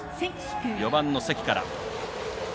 ４番の関から。